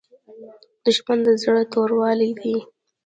دښمن د زړه توروالی دی